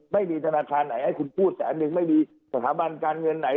ไม่มีธนาคารไหนให้คุณพูดแต่อันหนึ่งไม่มีสถาบันการเงินไหน